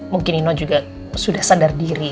mungkin ino juga sudah sadar diri